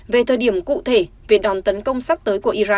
về thời điểm cụ thể việc đòn tấn công sắp tới của iran